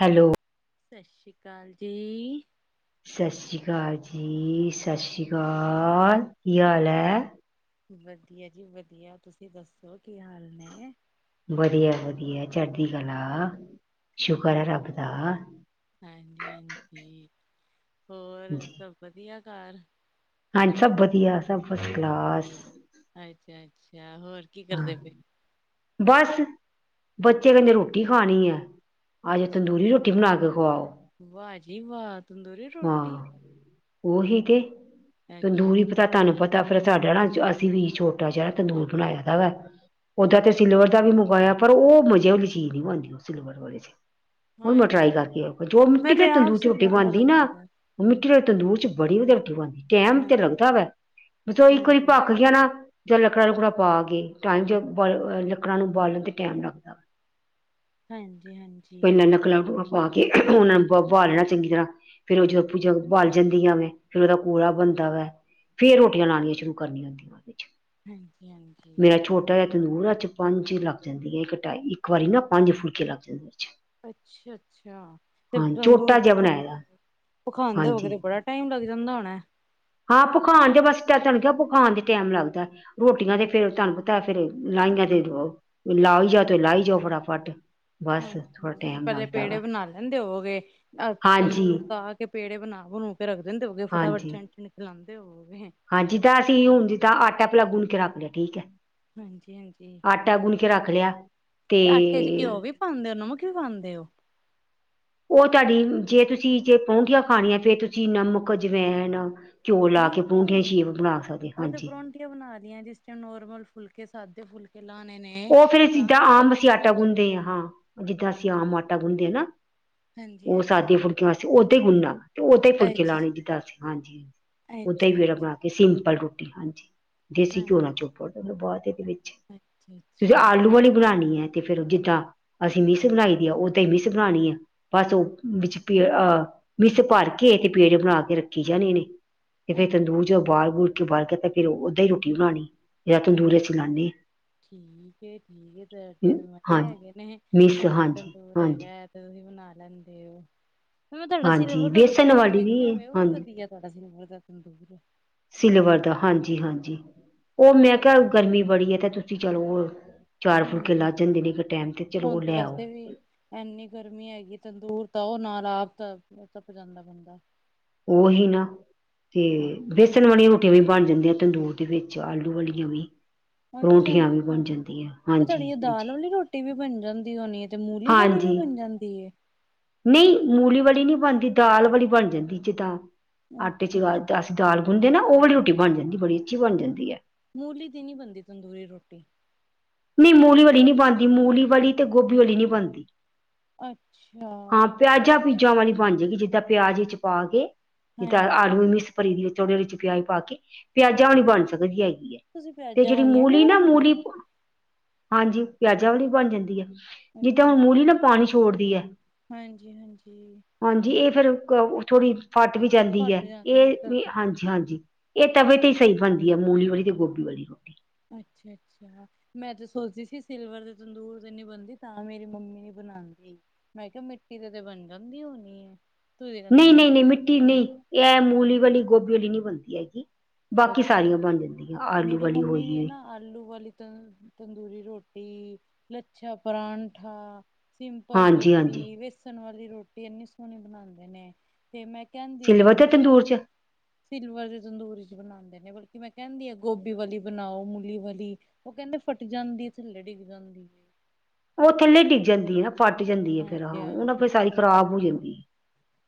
Hello. ਸਸ ਸ੍ਰੀ ਕਾਲ ਜੀ। ਸਸ ਸ੍ਰੀ ਕਾਲ ਜੀ, ਸਸ ਸ੍ਰੀ ਕਾਲ ਕੀ ਹਾਲ ਐ। ਵਧੀਆ ਜੀ ਵਧੀਆ ਤੁਸੀਂ ਦੱਸੋ ਕੀ ਹਾਲ ਨੇ। ਵਧੀਆ-ਵਧੀਆ ਚੜ੍ਹਦੀ ਕਲਾ, ਸ਼ੁਕਰ ਆ ਰੱਬ ਦਾ। ਹਾਂਜੀ-ਹਾਂਜੀ, ਹੋਰ ਜੀ ਸਭ ਵਧੀਆ ਕਾਰ। ਹਾਂਜੀ ਸਭ ਵਧੀਆ, ਸਭ ਫਸ ਕਲਾਸ। ਅੱਛਾ-ਅੱਛਾ ਹੋਰ ਕੀ ਹਾਂ ਕਰਦੇ ਪਏ? ਬਸ, ਬੱਚੇ ਕੇਦੇ ਰੋਟੀ ਖਾਣੀ ਐ। ਆਜ ਅੱਛਾ ਤੰਦੂਰੀ ਰੋਟੀ ਬਣਾ ਕੇ ਖਵਾਓ। ਵਾਹ ਜੀ ਵਾਹ। ਤੰਦੂਰੀ ਰੋਟੀ ਹਾਂ ਉਹੀ ਤੇ ਅੱਛਾ ਤੰਦੂਰੀ ਤਾਂ ਤੁਹਾਨੂੰ ਪਤਾ, ਫਿਰ ਸਾਡਾ ਨਾ ਅਸੀਂ ਵੀ ਛੋਟਾ ਜਾ ਤੰਦੂਰ ਬਣਾਇਆ ਦਾ ਵਾ। ਓਦਾਂ ਤੇ ਅੱਛਾ ਸਿਲਵਰ ਦਾ ਵੀ ਮੰਗਵਾਇਆ ਪਰ ਓ ਮਜ਼ੇ ਵਾਲੀ ਚੀਜ਼ ਨੀ ਬਣਦੀ ਓ ਸਿਲਵਰ ਵਾਲੇ ਚ। ਉਨੂੰ ਟਰਾਈ ਹਾਂਜੀ ਕਰਕੇ ਆਊ ਜੋ ਮੈਂ ਮਿੱਟੀ ਦੇ ਤੇ ਆਪ ਤੰਦੂਚ ਚ ਰੋਟੀ ਸਿਲਵਰ ਵਰ ਬਣਦੀ ਨਾ ਰੱਖਿਆ ਦਾ ਮਿੱਟੀ ਦੇ ਤੰਦੂਰ ਚ ਬੜੀ ਵਧਿਆ ਰੋਟੀ ਬਨਦੀ। ਟੈਮ ਤੇ ਹਾਂਜੀ। ਲਗਦਾ ਵੇ, ਜੇ ਇਕ ਵਾਰੀ ਹਾਂਜੀ ਭਖ ਗਿਆ ਨਾ ਜਾਂ ਲੱਕੜਾ-ਲੁਕੜਾ ਪਾ ਕੇ, ਟਾਈਮ ਚ ਬ ਲੱਕੜਾਂ ਨੂੰ ਉਬਾਲਣ ਤੇ ਟੈਮ ਲੱਗਦਾ ਵਾ। ਹਾਂਜੀ ਤੇ ਮੈਂ ਹਾਂਜੀ ਲਕੜਾ ਲੂਕੜਾ ਪਾ ਕੇ, ਉਹਨਾਂ ਨੂੰ ਬਾ ਲੈਣਾ ਚੰਗੀ ਤਰ੍ਹਾਂ। ਫੇਰ ਉਹ ਜਦੋਂ ਭ ਬਾਲ ਜਾਂਦੀਆਂ ਨੇ ਫੇਰ ਉਹਦਾ ਕੂੜ ਬਣਦਾ ਵੈ, ਫੇਰ ਰੋਟੀਆਂ ਲਉਣੀਆਂ ਸ਼ੁਰੂ ਹਂਜੀ। ਹਂਜੀ, ਹਂਜੀ। ਟਾ ਤੰਦੂਰ ਚ ਪੰਜ ਛੇ ਲੱਗ ਜੈਂਦੀ ਹੈ। ਇੱਕਟ ਇੱਕ ਵਾਰੀ ਨਾ ਪੰਜ ਫੁਲਕੇ ਲੱਗ ਜੈ਼ਦੇ ਚ। ਅੱਛਾ, ਅੱਛਾ ਤੇ ਛੋਟਾ ਤੰਦੂਰ ਭਖ ਜਿਹਾ ਬਣਾਇਆ ਦਾ। ਭਖਾਂਦੇ ਹੋ ਕੇ ਹਾਂਜੀ ਤੇ ਬੜਾ ਟਾਈਮ ਲੱਗ ਜੈਂਦਾ ਹੋਨਾ। ਹਾਂ ਭੁਖਾਨ ਚ ਬਸ ਟ ਤੂਨੂੰ ਕਿਹਾ ਭਖਾਨ ਚ ਟੈਮ ਲੱਗਦੈ। ਰੋਟੀਆਂ ਤੇ ਫੇਰ ਤੁਨੂੰ ਪਤਾ ਫੇਰ ਲਾਈਆਂ ਤੇ ਲਾਈ ਜਾਔ ਤੇ ਲਾਈ ਜਾਔ ਫਟਾਫਟ। ਬਸ ਹਂਜੀ, ਥੋੜਾ ਹਂਜੀ ਤੁਸੀਂ ਟਾਈਮ ਪੈਲੇ ਲੱਗਦਾ ਵਾ ਪੇੜੇ ਬਨਾ ਲੈਂਦੇ ਹੋਗੇ। ਅਹ ਹਾਂਜੀ ਤੰਦੂਰ ਬਾਲ ਕੇ ਪੇੜੇ ਬਨਾ ਬਨੂ ਕੇ ਰੱਖ ਦੇਂਦੇ ਹੋਗੇ ਫਟਾਫਟ ਚ- ਫੇਰ ਖਲਾਂਦੇ ਹੋਗੇ। ਹਂਜੀ, ਦਾਦਿ ਹੁਨ ਜਿਦਾਂ ਆਟਾ ਪੁਰਾ ਗੁਨ ਕੇ ਰੱਖ ਲਿਆ ਠੀਕ ਐ। ਹਾਂਜੀ ਹਾਂਜੀ ਆਟਾ ਗੁੰਨ ਕੇ ਰੱਖ ਲਿਆ। ਤੇ- ਖਾਂਂਦੇ ਉਹ ਨਮਕ ਕਿਉਂ ਪਾਂਦੇ ਔ। ਔਹ ਤੁੱਡੀ ਜੇ ਤੁਸੀਂ ਜੇ ਬੋਤਿਆਂ ਖਾਨਿਆ ਫੇਰ ਤੁਸੀਂ ਨਮਕ, ਅਜਵੈਨ। ਘੀਔ ਲਾ ਨਹੀਂ ਕੇ ਪਰੂੰਠੀਆਂ ਸ਼ੇਪ ਬਨਾ ਸਕਦੇ ਹਂਜੀ। ਕਿਔਂ ਬਨਾ ਰੀਆਂ ਜਿਸ ਚ ਨੋਰਮਲ ਫੁਲਕੇ ਸਾਦੇ ਫੁਲਕੇ ਏ ਲਾਨੇ ਨੇ। ਉਹ ਫੇਰ ਤਾਂ ਆਟੇ ਚ ਜਿੱਦਾਂਆਮ ਅਸੀਂ ਕੁਛ ਆਟਾ ਪਾਉਂਦੇ ਗੁੰਨਦੇ ਹਾਂ ਹਾਂ। ਜਿੱਦਾਂ ਅਸੀਂ ਆਮ ਆਟਾ ਗੁੰਨਦੇ ਹਾਂ ਨਾ। ਹਾਂਜੀ ਉਹ ਹਾਂਜੀ ਸਾਦੀ ਫੁਲਕੀਆਂ ਵਾਸਤੇ ਔਦਾਂ ਹੀ ਗੁੰਨਾ। ਤੇ ਔਦਾਂ ਹੀ ਫੁਲਕੇ ਲਾਨੇ ਅੱਛਾ ਜਿੱਦਾਂ ਸੀ ਹਂਜੀਜੀ, ਔਦਾਂ ਹੀ ਅੱਛਾ ਵੀ ਬਨਾ ਕੇ ਸਿੰਪਲ ਰੋਟੀ ਹਂਜੀ। ਅੱਛਾ ਦੇਸੀ ਘਿਓ ਨਾਲ ਚੁੱਪੜ ਦਾ ਬਾਦ ਏਦੇ ਵਿੱਚ। [unintelligible] ਤੁਸੀਂ ਆਲੂ ਵਾਲੀ ਬਨਾਨੀ ਹੈ ਤੇ ਫੇਰ ਜਿੱਦਾਂਅਸੀਂ ਮਿਸ ਬਨਾਈ ਦੀ ਆ ਔਦਾਂ ਹੀ ਮਿਸ ਬਨਾਨੀ ਐ। ਬਸ ਉਹ ਵਿੱਚ ਅਹ ਮਿਸ ਭਰ ਕੇ ਤੇ ਪੇੜ ਬਨਾ ਕੇ ਰੱਖੀ ਜਾਨੇ ਨੇ। ਤੇ ਜਿਵੇਂ ਅ ਤੰਦੂਰ ਜੋਂ ਬਾਲ ਬੁਲ ਕੇ ਬਾਰ ਕੇ ਤੇ ਫ਼ਿਰ ਔਦਾਂ ਹੀ ਰੋਟੀ ਬਨਾਨੀ ਜਾ ਤੰਦੂਰ ਚ ਲਾਨੀ। ਠੀਕ ਹੈਠੀਕ ਹਾਂ ਜਿਥੇ ਵਡੇ ਹਾਂਜੀ ਹੈਗੇ ਨੇ ਮਿਸ ਘਰ ਹਾਂਜੀ ਤੰਦੂਰ ਹਾਂਜੀ ਹੈਗਾ। ਤੁਸੀ ਬਨਾ ਲੈਂਦੇ ਔ। ਮੈਂ ਤੁੱਡਾ ਹਾਂਜੀ ਸਿਲਵਰ ਦਾ ਵੇਸਣ ਤੰਦੂਰ ਵਾਲੀ ਵੇਖਿਆ ਔਹ ਵੀ ਹਾਂਜੀ ਵਧੀਆ ਤੁੱਡਾ ਸਿਲਵਰ ਦਾ ਤੰਦੂਰ। ਸਿਲਵਰ ਦਾ ਹਂਜੀ, ਹਂਜੀ ਔ ਮੈਂ ਕਿਹਾ ਗਰਮੀ ਬੜੀ ਏ ਤੇ ਤੁ ਚਲੋ ਔ ਚਾਰ ਫੁਲਕੇ ਹਾਂਜੀ ਲਗ ਜੈਂਦੇ ਨੇ ਇੱਕ ਟੈਮ ਤੇ ਚਲੋ ਔ ਹੁਣ ਲੈ ਆਔ। ਵੈਸੇ ਵੀ ਇੰਨੀ ਗਰਮੀ ਹੈਗੀ। ਤੰਦੂਰ ਤਾਔ ਨਾਲ ਆਪ ਤਪ ਜੈਂਦਾ ਬੰਦਾ। ਔਹੀ ਨਾ। ਤੇ ਬੇਸਨ ਵਾਲੀਆਂ ਰੋਟੀਆਂ ਵੀ ਬਨ ਜੈਂਦੀਆਂ ਤੰਦੂਰ ਦੇ ਵਿੱਚ ਆਲੂ ਵਾਲੀਆਂ ਵੀ। ਪਰੌਂਠੀਆਂ ਵੀ ਬਨ ਜੈਦੀਆਂ। ਫੇਰ ਤੁੱਡੀ ਦਾਲ ਵਾਲੀ ਰੋਟੀ ਵੀ ਬਨ ਜੈਂਦੀ ਹੋਨੀ ਏ ਤੇ ਮੂਲੀ ਵਾਲੀ ਵੀ ਬਨ ਜੈਂਦੀ ਏ। ਨਈ ਮੂਲੀ ਵਾਲੀ ਨਹੀ ਬਨਦੀਦਾਲ ਵਾਲੀ ਬਨ ਜੈਂਦੀ ਜਿੱਦਾਂ ਆਟੇ ਚ ਅੱਛਾ ਲਗਾ। ਅੱਛਾ ਤੇ ਅਸੀਂ ਦਾਲ ਗੁਨਦੇ ਨਾ ਔ ਵਾਲੀ ਰੋਟੀ ਬਨ ਜੈਂਦੀ ਬੜੀ ਅੱਛੀ ਬਨ ਜੈਂਦੀ ਐ ਬੜੀ ਅੱਛੀ ਤਰਾਂ ਬਨ ਜੈਂਦੀ ਐ। ਮੂਲੀ ਦੀ ਨੀ ਬਨਦੀ ਤੰਦੂਰੇ ਰੋਟੀ। ਨਈ ਮੂਲੀ ਵਾਲੀ ਨਈ ਬਨਦੀ ਮੂਲੀ ਵਾਲੀ ਤੇ ਗੋਭੀ ਵਾਲੀ ਨਈ ਬਨਦੀ। ਅੱਛਾ ਹਾਂ ਪਿਆਜ਼ਾ ਸਾਡੇ ਪੂਜਾਂ ਵਾਲੀ ਬਨ ਜੈਦੀਂ। ਜਿੱਦਾਂ ਪਿਆਜ ਵਿੱਚ ਪਾ ਕੇ ਜਿੱਦਾਂ ਹਾਂਜੀ ਆਲੂ ਮਿਕਿਸ ਪਰੀ ਵੀ ਥੋੜੇ ਚ ਪਿਆਜ ਪਾ ਕੇ ਪਿਆਜ਼ਾਂ ਵਾਲੀ ਬਨ ਸਕਦੀ ਹੈਗੀ ਏ। ਤੁਸੀਂ ਤੇ ਪਿਆਜਾਂ ਜੇੜੀ ਵਾਲੀਆਂ ਇੰਝ ਮੂਲੀ ਨਾ ਬਣਾਉਂਦੇ ਮੂਲੀ ਹੋ ਹਾਂਜੀ, ਪਿਆਜ਼ਾਂ ਵਾਲੀ ਬਨਜੈਂਦੀ ਐ। ਜਿੱਦਾਂ ਹੁਨ ਮੂਲੀ ਨਾ ਪਾਨੀ ਛੋੜਦੀ ਐ। ਹਂਜੀ, ਹਂਜੀ। ਹਾਂਜੀ, ਇਹ ਫੇਰ ਥੋੜੀ ਫਟ ਵੀ ਜਾਂਦੀ ਏ, ਫੱਟ ਜਾਂਦੇ ਇਹ ਉਹ ਤਾਂ ਵੀ ਹਾਂਜੀ- ਹਾਂਜੀ। ਇਹ ਤਵੇ ਤੇ ਹੀ ਸਹੀ ਬਣਦੀ ਐ, ਮੂਲੀ ਵਾਲੀ ਤੇ ਗੋਭੀ ਵਾਲੀ ਰੋਟੀ। ਅੱਛਾ- ਅੱਛਾ। ਮੈਂ ਤੇ ਸੋਚਦੀ ਸੀ ਸਿਲਵਰ ਤੇ ਤੰਦੂਰ ਤੇ ਨੀ ਬਣਦੀ, ਤਾਂ ਮੇਰੀ ਮੰਮੀ ਨੀ ਬਣਾਂਤੀ। ਮੈਂ ਕਿਹਾ ਮਿੱਟੀ ਦੇ, ਤੇ ਬਣ ਜਾਂਦੀ ਹੋਣੀ ਏ। ਨਈ, ਨਈ, ਨਈ ਮਿੱਟੀ ਨਈ, ਇਹ ਮੂਲੀ ਵਾਲੀ, ਗੋਭੀ ਵਾਲੀ ਨਈ ਬਣਦੀ ਹੈਗੀ। ਬਾਕੀ ਅੱਛਾ ਸਾਰੀਆਂ ਬਣ ਜਾਂਦੀਆਂ, ਆਲੂ ਮੇਰੀ ਵਾਲੀ ਮੰਮੀ ਵੀ ਹੈ ਹੋਈ ਨਾ ਆਲੂ ਵਾਲੀ ਤਾਂ ਤੰਦੂਰੀ ਰੋਟੀ, ਲੱਛਾ ਪਰਾਂਠਾ ਸਿੰਪਲ ਹਾਂਜੀ ਹਾਂਜੀ। ਰੋਟੀ, ਵੇਸਣ ਵਾਲੀ ਰੋਟੀ, ਇੰਨੀ ਸੋਹਣੀ ਬਣਾਂਦੇ ਨੇ। ਤੇ, ਮੈਂ ਕਹਿੰਦੀ ਮੈਂ ਸਿਲਵਰ ਕਿਹਾ ਤੇ ਤੁਸੀਂ ਏ, ਤੰਦੂਰ ਚ ਸਿਲਵਰ ਦੇ ਤੰਦੂਰੀ 'ਚ ਬਣਾਦੇ ਨੇ ਬਲਕਿ, ਮੈਂ ਕਹਿੰਦੀ ਆ ਗੋਭੀ ਵਾਲੀ ਬਣਾਓ, ਮੂਲੀ ਵਾਲੀ। ਉਹ ਕਹਿੰਦੇ ਫੱਟ ਜਾਂਦੀ, ਥੱਲੇ ਡਿੱਗ ਜਾਂਦੀ। ਉਹ ਥੱਲੇ ਡਿੱਗ ਜਾਂਦੀ ਹੈ ਨਾ ਫੱਟ ਜਾਂਦੀ ਏ ਫੇਰ ਹਾਂ, ਹਾਂਜੀ ਉਹ ਨਾ ਹਾਂਜੀ ਫਿਰ ਸਾਰੀ ਖ਼ਰਾਬ ਹੋ ਜਾਂਦੀ ਐ।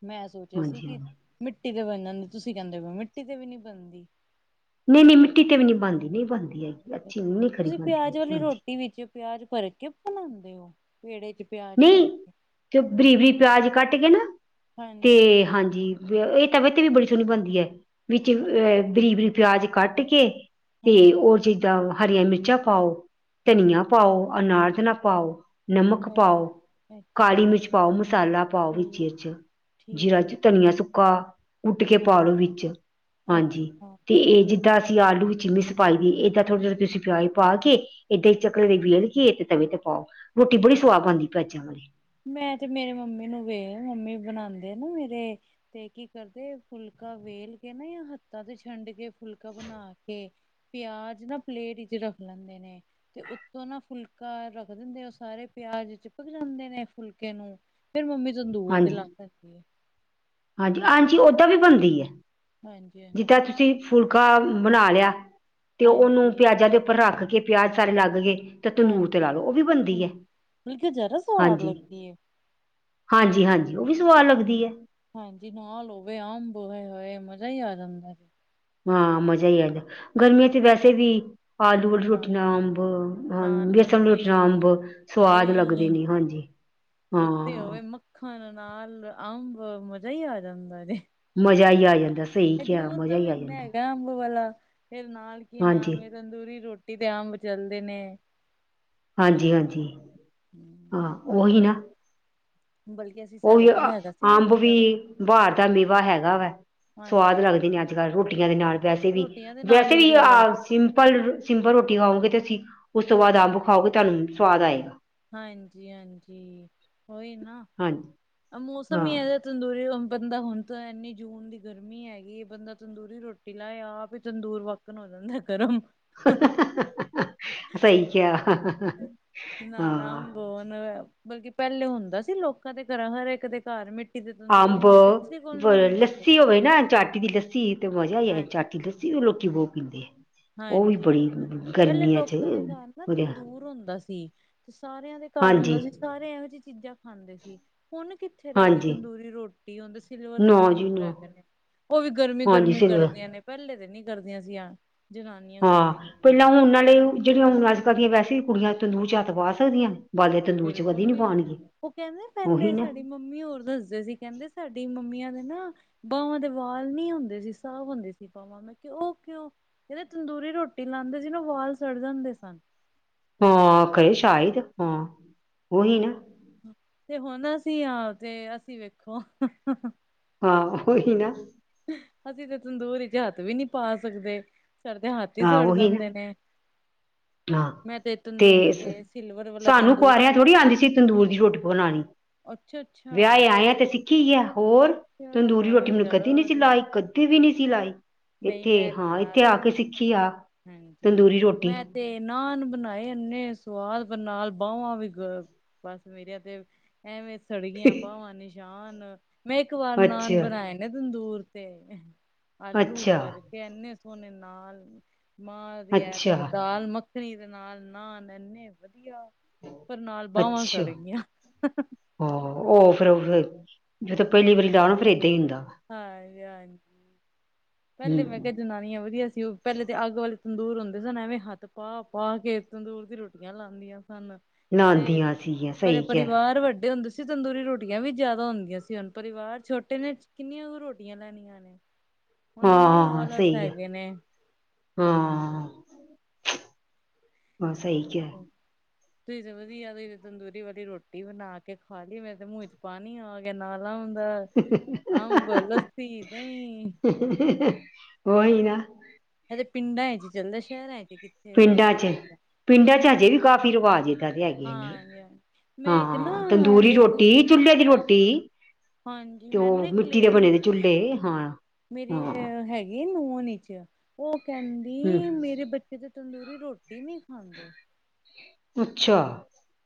ਮੈਂ ਸੋਚਿਆ ਸੀ ਕਿ ਮਿੱਟੀ ਤੇ ਬਣ ਜਾਂਦੀ, ਤੁਸੀਂ ਕਹਿੰਦੇ ਮਿੱਟੀ ਤੇ ਵੀ ਨਈ ਬਣਦੀ। ਨਈ- ਨਈ ਮਿੱਟੀ ਤੇ ਵੀ ਨਈ ਬਣਦੀ, ਨਈ ਬਣਦੀ ਹੈਗੀ ਅੱਛੀ ਨੀ, ਖਰੀ ਤੁਸੀਂ ਬਣਦੀ ਪਿਆਜ ਹੈਗੀ, ਵਾਲੀ ਹਾਂਜੀ। ਰੋਟੀ ਵਿੱਚ ਪਿਆਜ ਭਰ ਕੇ ਬਣਾਦੇ ਓ, ਪੇੜੇ ਚ ਪਿਆਜ ਨਹੀਂ ਭਰ ਕੇ। ਤੇ ਬਰੀਕ- ਬਰੀਕ ਪਿਆਜ ਕੱਟ ਕੇ ਨਾ, ਤੇ ਹਾਂਜੀ। ਇਹ ਤਵੈ ਤੇ ਵੀ ਬੜੀ ਸੋਹਣੀ ਬਣਦੀ ਐ, ਵਿੱਚ ਅੱਛਾ, ਅਹ ਬਰੀਕ ਬਰੀਕ ਪਿਆਜ ਕੱਟ ਕੇ ਤੇ ਹਾਂਜੀ ਉਹ ਚੀਜ਼ਾਂ, ਹਰੀਆਂ ਮਿਰਚਾਂ ਪਾਓ, ਅੱਛਾ ਧਨੀਆ ਪਾਓ। ਅਨਾਜ ਨਾ ਪਾਓ, ਨਮਕ ਅੱਛਾ ਪਾਓ, ਅੱਛਾ ਕਾਲੀ ਮਿਰਚ ਪਾਓ, ਮਸਾਲਾ ਪਾਓ, ਵਿੱਚ ਠੀਕ ਇਚ ਜੀਰਾ ਠੀਕ ਚ ਧਨੀਆ ਸੁੱਕਾ, ਕੁਟ ਕੇ ਪਾਲੋ ਹਾਂਜੀ ਵਿੱਚ, ਹਾਂਜੀ, ਤੇ ਅੱਛਾ ਇਹ ਜਿੱਦਾ ਅਸੀ ਆਲੂ ਵਿਚ ਮਿਸ ਪਾਈ ਦੀ, ਇੱਦਾਂ ਥੋੜ੍ਹੇ -ਥੋੜ੍ਹੇ ਤੁਸੀ ਪਿਆਜ ਪਾ ਕੇ ਏਦਾਂ ਹੀ ਚਕਲੇ ਤੇ ਵੇਲ ਕੇ, ਤੇ ਤਵੇ ਤੇ ਪਾਓ, ਰੋਟੀ ਬੜੀ ਸੁਆਦ ਬਣਦੀ ਪਿਆਜਾ ਵਾਲੀ। ਮੈਂ ਤੇ ਮੇਰੇ ਮੰਮੀ ਨੂੰ ਵੇਖ ਮੰਮੀ ਬਣਾਉਦੇ ਨਾ ਮੇਰੇ। ਤੇ ਕੀ ਕਰਦੇ ਫੁਲਕਾ ਵੇਲ ਕੇ ਨਾ ਯਾਂ ਹੱਥਾਂ ਤੇ ਛੰਡ ਕੇ ਫੁਲਕਾ ਬਣਾ ਕੇ ਪਿਆਜ ਨਾ ਪਲੇਟ ਵਿੱਚ ਰੱਖ ਲੈਂਦੇ ਨੇ ਤੇ ਉੱਤੋਂ ਨਾ ਫੁਲਕਾ ਰੱਖ ਦਿੰਦੇ, ਉਹ ਸਾਰੇ ਪਿਆਜ ਚਿਪਕ ਜਾਂਦੇ ਨੇ। ਫੁਲਕੇ ਨੂੰ, ਫੇਰ ਮੰਮੀ ਤੰਦੂਰ ਤੇ ਹਾਂਜੀ ਲਾ ਲੈਂਦੀ ਏ। ਹਾਂਜੀ, ਹਾਂਜੀ ਓਦਾਂ ਵੀ ਬਣਦੀ ਏ। ਹਾਂਜੀ ਜਿੱਦਾਂ ਹਾਂਜੀ ਤੁਸੀਂ ਫੁਲਕਾ ਬਣਾ ਲਿਆ, ਤੇ ਉਹਨੂੰ ਹਾਂਜੀ ਪਿਆਜ਼ਾਂ ਦੇ ਉੱਪਰ ਰੱਖ ਕੇ ਪਿਆਜ ਸਾਰੇ ਲੱਗ ਗਏ। ਤੇ ਤੰਦੂਰ ਤੇ ਹਾਂਜੀ ਲਾ ਲਓ, ਉਹ ਵੀ ਬਣਦੀ ਹੈ। ਬਲਕਿ ਜ਼ਿਆਦਾ ਸਵਾਦ ਹਾਂਜੀ ਲੱਗਦੀ ਹੈ ਹਾਂਜੀ- ਹਾਂਜੀ ਉਹ ਵੀ ਸਵਾਦ ਲੱਗਦੀ ਐ। ਹਾਂਜੀ ਨਾਲ ਹੋਵੇ ਅੰਬ ਹਾਏ ਹਾਏ ਮਜ਼ਾ ਹੀ ਆ ਜਾਂਦਾ। ਹਾਂ ਮਜ਼ਾ ਹੀ ਆ ਜਾਂਦਾ, ਗਰਮੀਆਂ ਚ ਵੈਸੇ ਵੀ- ਆਲੂ ਵਾਲੀ ਨਾ ਰੋਟੀ ਨਾਲ ਅੰਬ, ਹ ਨਾਲ ਬੇਸਣ ਰੋਟੀ ਨਾਲ ਲੱਸੀ ਅੰਬ- ਸਵਾਦ ਲੱਗਦੇ ਦਹੀਂ ਨੇ, ਹਾਂਜੀ, ਹਾਂ। ਖਾਣਾ ਨਾਲ ਅੰਬ, ਮਜ਼ਾ ਹੀ ਆ ਜਾਂਦਾ ਜੇ। ਮਜ਼ਾ ਹੀ ਆ ਜਾ ਇਹ ਜੂਨ ਦਾ ਮਹੀਨਾ ਹੈਗਾ ਅੰਬ ਵਾਲਾ। ਫਿਰ ਨਾਲ ਕੀ ਹਾਂਜੀ ਨਾਮ ਤੰਦੂਰੀ ਰੋਟੀ ਤੇ ਅੰਬ ਚਲਦੇ ਨੇ। ਹਾਂਜੀ- ਹਾਂਜੀ ਹਾਂ ਉਹੀ ਪਰ ਨਾ। ਬਲਕਿ ਅਸੀਂ ਸਾਡੇ ਉਹੀ ਕੋਲ ਹੈਗਾ ਸੀ ਅੰਬ ਮਿੱਟੀ ਵੀ ਦਾ ਬਹਾਰ ਦਾ ਮੇਵਾ ਹੈਗਾ ਵੈ। ਹਾਂਜੀ ਸਵਾਦ ਹਾਂ। ਲੱਗਦੇ ਨੇ ਅੱਜ ਕੱਲ ਰੋਟੀਆਂ ਦੇ ਨਾਲ, ਵੈਸੇ ਵੀ ਰੋਟੀਆਂ ਦੇ ਨਾਲ ਹੀ ਵੈਸੇ ਵੀ ਵਧੀਆ ਆ ਲੱਗਦਾ ਸਿੰਪਲ ਸਿੰਪਲ ਰੋਟੀ ਖਾਓਗੇ ਤੇ ਉਸ ਤੋ ਬਾਦ ਅੰਬ ਖਾਓਗੇ ਤੁਆਨੂੰ ਸਵਾਦ ਆਏਗਾ। ਹਾਂਜੀ ਹਾਂਜੀ ਓਹੀ ਨਾ ਹਾਂਜੀ ਮੌਸਮ ਈ ਹਾਂ ਏਹ ਤੰਦੂਰੀ ਬੰਦਾ ਹੁਨ ਤਾ ਐਨੀ ਜੂਨ ਦੀ ਗਰਮੀ ਹੈਗੀ ਏ ਬੰਦਾ ਤੰਦੂਰੀ ਰੋਟੀ ਲਾਆ ਆਪ ਈ ਤੰਦੂਰ ਵਾਕਨ ਹੋ ਜੰਦਾ ਗਰਮ। ਸਹੀ ਕਆ। ਨਾ ਲਾ ਬੋਨ ਅ ਬਲਕਿ ਪੇਲੇ ਹੁੰਦਾ ਸੀ ਲੋਕਾ ਦੇ ਘਰਾ ਹਰ ਇੱਕ ਦੇ ਘਰ ਮੀ ਅੰਬ ਹੈਗੇ ਲੱਸੀ ਹੋਵੇ ਨਾ ਚੱਤ ਚਾਟੀ ਦੀ ਲੱਸੀ ਤੇ ਮਜਾ ਈ ਐ ਹਾਂਜੀ ਚਾਟੀ ਲੱਸੀ ਤੇ ਲੋਕੀ ਬੋ ਪੀਂਦੇ ਐ। ਹਾਂਜੀ ਪੇਲੇ ਲੋਕਾ ਦੇ ਘਰ ਨਾ ਉਹਦੇ ਤੰਦੂਰ ਹੁੰਦਾ ਸੀ। ਤੇ ਸਾਰਆ ਦੇ ਘਰ ਹਾਂਜੀ ਹੁੰਦਾ ਸੀ ਸਾਰੇ ਐਵੇ ਜਿ ਚੀਜਾ ਖਾਂਦੇ ਸੀ ਹੁਨ ਕਿਥ ਕਿੱਥੇ ਰਹ ਗੀ ਹਾਂਜੀ ਤੰਦੂਰੀ ਰੋਟੀ ਹੁਨਤੇ ਸਿਲਵਰ ਦੇ ਨਾ ਜੀ ਤੰਦੂਰ ਨਾ ਹੈਗੇ ਨੇ। ਓ ਵੀ ਗਰਮੀ ਹਾਂਜੀ ਗਰਮੀ ਸਿਰ ਕਰਦੀਆ ਨੇ ਪੇਲੇ ਤੇ ਨੀ ਕਰਦੀਆ ਸੀ ਐਵੇ। ਹਾਂ ਪਹਿਲਾ ਹੁਨ ਨਾਲੇ ਜੇੜੀਆਂ ਹੁਨ ਅੱਜ ਕੱਲ ਦੀਆਂ ਵੈਸੇ ਵੀ ਕੁੜੀਆਂ ਤੰਦੂਰ ਚ ਹੱਥ ਪਾ ਸਕਦੀਆ ਨੇ? ਬਾਲੇ ਤੰਦੂਰ ਚ ਕਦੀ ਬਿਲਕੁਲ ਵੀ ਨੀ ਪਾਉਣਗੇ ਓ ਕੇਂਦੇ ਉਹੀ ਪੇਲੇ ਨਾ ਸਾਡੀ ਮੰਮੀ ਹੋਰ ਦੱਸਦੇ ਸੀ ਕੇਂਦੇ ਸਾਡੀ ਮੰਮੀਆਂ ਦੇ ਨਾ ਬਾਵਾ ਦੇ ਵਾਲ ਨੀ ਹੁੰਦੇ ਸੀ ਸਾਫ਼ ਹੁੰਦੇ ਸੀ ਬਾਵਾ। ਮੈਂ ਕਯਾ ਓ ਕਓ ਕੇਂਦੇ ਤੰਦੂਰੀ ਰੋਟੀ ਲਾਂਦੇ ਸੀ ਨਾ ਵਾਲ ਸੜ ਜਾਂਦੇ ਸਨ। ਹਾਂ ਕਯੇ ਸ਼ਾਇਦ ਹਾਂ ਓਹੀ ਨੇ ਤੇ ਹੁਨ ਅਸੀ ਅ ਤੇ ਅਸੀ ਵੇਖੋ। ਹਾਂ ਓਹੀ ਨਾ। ਅਸੀ ਤੇ ਤੰਦੂੂਰ ਇਚ ਹੱਥ ਵੀ ਨੀ ਪਾ ਸਕਦੇ। ਸਾਡੇ ਤੇ ਹੱਥ ਈ ਹਾਂ ਸੜ ਉਹੀ ਜਾਂਦੇ ਨਾ ਨੇ। ਹਾਂ ਮੈਂ ਤੇ ਤੰਦੂਰ ਸਿਲਵਰ ਵਾਲਾ ਸਾਨੂੰ ਤੰਦੂਰ ਕੁਆਰਆ ਥੋੜੀ ਆਂਦੀ ਸੀ ਤੰਦੂਰ ਦੀ ਰੋਟੀ ਬਨਾਨੀ। ਅੱਛਾ ਅੱਛਾ ਵਿਆਐ ਆਏ ਆ ਤੇ ਸਿੱਖੀ ਯਾ ਹੋਰ ਤੰਦੂਰੀ ਅੱਛਾ ਰੋਟੀ ਮੈਂ ਕਦੀ ਚਲੋ ਨੀ ਸੀ ਵਧੀਆ ਲਾਈ ਕਦ ਕਦੀ ਵੀ ਨੀ ਸੀ ਲਾਈ ਨਹੀਂ ਐਥੇ ਮੈਂ ਤੇ ਆ ਲਾ ਐਥੇ ਆ ਕੇ ਲੈਂਦੀ ਸੀ ਸਿੱਖੀ ਆ ਹਾਂਜੀ ਤੰਦੂਰੀ ਰੋਟੀ। ਮੈਂ ਤੇ ਨਾਨ ਬਨਾਏ ਇਨੇ ਸਵਾਦ ਨਾਲ ਬਵਾਂ ਵੀ ਗ ਬਸ ਮੇਰੀਆ ਤੇ ਐਵੇ ਸੜਗੀਆ ਬਾਵਾ ਨਿਸ਼ਾਨ ਮੈਂ ਇੱਕ ਵਾਰ ਨਾਨ ਅੱਛਾ ਬਨਾਏ ਦੂਰ ਤੇ ਆਲੂ। ਅੱਛਾ ਐਨੇ ਸੋਨੇ ਨਾਲ ਮਾਂ ਦੀ ਅੱਛਾ [inaudible] ਦਾਲ ਮੱਖ ਰੀਰ ਨਾਲ ਨਾਨ ਐਨੇ ਵਧੀਆ ਪਰ ਨਾਲ ਬਾਵਾ ਸੜ ਗਿਆ। ਹੋ ਓ ਫੇਰ ਫੇਰ ਜਦੋ ਪੇਲੀ ਵਾਰੀ ਲਾਓ ਨਾ ਫੇਰ ਏਦਾ ਈ ਹੁੰਦਾ। ਹਾਂ ਹਾਂ ਪੇਲੇ ਮੈਂ ਹਮ ਕਿਯਾ ਜਨਾਨੀਆ ਵਧੀਆ ਸੀ ਓ ਪੇਲੇ ਤੇ ਅੱਗ ਵਾਲੇ ਤੰਦੂਰ ਹੁੰਦੇ ਸਨ ਐਵੇ ਹੱਥ ਪਾ ਪਾ ਕੇ ਤੰਦੂਰ ਦੀ ਰੋਟ ਲਾਂਦੀਆ ਸਨ ਦੇ ਲਾਉਂਦੀਆਂ ਸੀਗੀਆਂ ਪਰੇ ਸਹੀ ਕਿਹਾ ਪਰਿਵਾਰ ਵੱਡੇ ਹੁੰਦੇ ਸ ਤੰਦੂਰੀ ਰੋਟੀਆ ਵੀ ਜਾਦਾ ਹੁੰਦੀਆ ਸੀ ਹੁਨ ਪਰਿਵਾਰ ਛੋਟੇ ਨੇ ਕਿੰਨੀਆ ਕੁ ਰੋਟੀਆਂ ਲੈਨੀਆ ਨੇ। ਹੁਣ ਓਨੇ ਹੀ ਹਾਂ ਆਲਸ ਸਹੀ ਐ। ਹੈਗੇ ਨੇ ਹਾਂ ਹਾਂ ਸਹੀ ਕਆ। ਤੁਸੀ ਤੇ ਵਧੀਆ ਤੁਸੀ ਤੇ ਤੰਦੂਰੀ ਵਲੀ ਰੋਟੀ ਬਨਾ ਕੇ ਖਾ ਲੀ ਮੈਂ ਤੇ ਮੂੰਹ ਚ ਪਾਨੀ ਆ ਗਆ ਨਾਲਾ ਓਂਦਾ ਅੰਬ ਕਿਹਾ ਲੱਸੀ ਦਈ। [unintelligible] ਓਈ ਨਾ। ਏ ਤੇ ਪਿੰਡਾ ਚ ਚੱਲਦਾ ਸ਼ੇਰਾ ਚ ਕਿੱਥੇ ਰਹਿ ਪਿੰਡਾਂ ਗਿਆ 'ਚ, ਪਿੰਡਾਂ 'ਚ ਹਜੇ ਵੀ ਕਾਫ਼ੀ ਰਿਵਾਜ ਏ। ਦਾਦੀ ਹੈਗੇ ਨੇ, ਹਾਂਜੀ ਹਾਂ ਮੈਂ ਇੱਕ ਨਾ ਹਾਂ ਤੰਦੂਰੀ ਲੇਡੀ ਰੋਟੀ ਚੂਲ੍ਹੇ ਦੀ ਰੋਟੀ। ਹਾਂਜੀ ਤੇ ਮੈਨੂੰ ਉਹ ਮਿੱਟੀ ਦੇ ਬਨੇ ਨੇ ਚੁੱਲ੍ਹੇ, ਹਾਂ। ਮੇਰੇ ਹਾਂ ਅਹ ਹੈਗੇ ਨੂੰਨ 'ਚ, ਉਹ ਕੈਂਦੀ, ਹਮ ਮੇਰੇ ਬੱਚੇ ਕਿਤੇ ਤੰਦੂਰੀ ਰੋਟੀ ਨੀ ਖਾਂਦੇ। ਅੱਛਾ।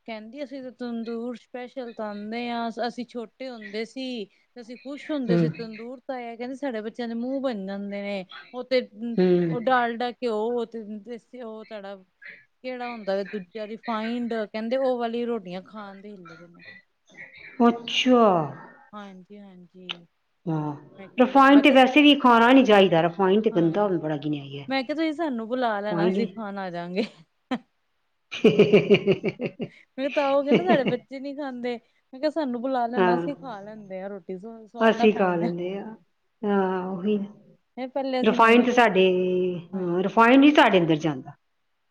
ਕੈਂਦੇ, ਅਸੀਂ ਤਾਂ ਤੰਦੂਰ ਸਪੈਸ਼ਲ ਤਾਂਨੇ ਆ, ਅਸੀਂ ਛੋਟੇ ਹੁੰਦੇ ਸੀ 'ਤੇ ਅਸੀਂ ਖੁਸ਼ ਹੁੰਦੇ ਸੀ ਹਮ ਤੰਦੂਰਤ ਤਾਇਐ, ਕੈਂਦੇ, ਸਾਡੇ ਬੱਚਿਆਂ ਦੇ ਮੂੰਹ ਬਨ ਜਾਂਦੇ ਨੇ, ਉਹ ਤੇ ਹੂੰ, ਹਮ ਉਹ ਡਾਲਡਾ ਘਿਓ ਤੇ ਦੇਸ ਘਿਓ ਤੁਆਡਾ, ਕੇੜਾ ਹੁੰਦਾ ਵੇ ਦੂਜਾ ਰਿਫਾਈਨਡ? ਕੈਂਦੇ, ਓਹ ਵਾਲੀ ਰੋਟੀਆਂ ਖਾਨ। ਕੀ ਹੁੰਦਾ ਪੇਐ? ਮੈ ਅੱਛਾ। ਹਾਂਜੀ-ਹਾਂਜੀ। ਹਾਂ, ਰਿਫਾਇਡ 'ਤੇ ਵੈਸੇ ਵੀ ਖਾਨਾ ਨੀ ਚਾਈਦਾ, ਰਿਫਾਇਨ 'ਤੇ ਗੰਦਾ ਹੋਵੇ ਬੜਾ ਗਿਨਿਐ ਗਿਐ। ਤੇ ਬਈ, ਤੁਸੀਂ ਸਾਨੂੰ ਬੁਲਾ ਲੈਨਾ, ਅਸੀਂ ਖਾਨ ਆ ਜਾ ਗੇ। ਹੇ-ਹੇ-ਹੇ-ਹੇ-ਹੇ-ਹੇ-ਹੇ। [unintelligible] ਫਿਰ ਤਾਓਗੇ ਨਾ ਸਾਡੇ ਬੱਚੇ ਨੀ ਖਾਂਦੇ, ਮੈਂ ਕੇਆ, ਸਾਨੂੰ ਬੁਲਾ ਲੈਨਾ, ਅਸੀਂ ਖਾ ਲੈਂਦੇ ਆ ਰੋਟੀ। ਸਵਾਦ ਨਾਲ ਅਸੀ ਖਾ ਖਾਂਦੇ ਲੈਂਨੇ ਆ, ਹਾਂ ਓਹੀ। ਹਾਂ ਪਹਿਲੇ ਅਸੀਂ ਰਿਫਾਇਨ ਤਾਂ ਮੰਗਦੇ ਸੀ। ਸਾਡੇ, ਹਾਂਜੀ। ਰਿਫਾਇਨ ਨੀ ਸਾਡੇ ਅੰਦਰ ਜਾਂਦਾ।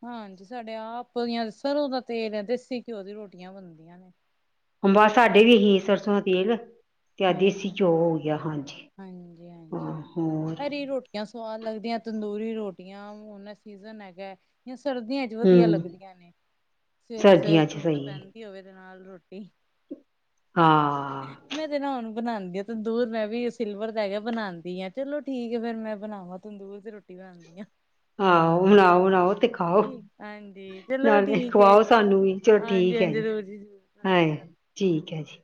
ਹਾਂਜੀ, ਸਾਡੇ ਆਪ ਦੀਆਂ ਸਰ੍ਹੋਂ ਦਾ ਤੇਲ ਏ, ਦੇਸੀ ਘਿਓ ਦੀ ਰੋਟੀਆਂ ਬਨਦੀਆਂ ਨੇ। ਹੂ, ਮਾਸਾ ਦੇ ਵੀ ਗਈ ਏ ਸਰਸੋਂ ਦਾ ਤੇਲ ਕਿਆ ਦੇਸੀ ਹਾਂਜੀ ਚੌਲ? ਯਾ ਹਾਂਜੀ, ਹਾਂ ਹੋਰ। ਕਿਆ ਸਵਾਦ ਲੱਗਦੀਆਂ ਤੰਦੂਰੀ ਰੋਟੀਆਂ? ਹੁਨ ਸੀਜ਼ਨ ਹੈਗੈ, ਯਾ ਸਰਦੀਆਂ। 'ਤੇ ਵਦੀਆ ਹਮ ਲੱਗਦੀਆਂ ਨੇ, ਸਵੇਰੇ -ਸਵੇਰੇ ਸਰਦੀਆਂ ਚ ਧੁੰਦ ਸਹੀ ਹੈ। ਪੈਂਦੀ ਹੋਵੇ ਤੇ ਨਾਲ ਰੋਟੀ। ਹਾਂ। ਮੈਂ ਤੇ ਨਾ ਹੁਨ ਬਨਾਂਦੀ ਆ ਤੰਦੂਰ, ਮੈਂ ਵੀ ਸਿਲਵਰ ਦਾ ਹੈਗਾ, ਬਨਾਂਦੀ ਆ, ਚਲੋ, ਠੀਕ ਐ, ਫੇਰ ਮੈਂ ਬਨਾਵਾਂ। ਤੰਦੂਰ ਦੀ ਰੋਟੀ ਬਣਾਂਨੀ ਆ। ਆਓ, ਬਨਾਓ-ਬਨਾਓ ਤੇ ਖਾਓ, ਹਾਂਜੀ ਚਲੋ ਨਾਲੇ ਠੀਕ ਏ ਖਵਾਓ ਸਾਨੂੰ ਵੀ। ਚਲੋ ਹਾਂਜੀ ਠੀਕ ਐ ਹਾਂਜੀ ਜੀ, ਜ਼ਰੂਰ ਜ਼ਰੂਰ ਸਤਿ ਸ਼੍ਰੀ ਹਾਏ! ਅਕਾਲ ਠੀਕ ਐ ਜੀ।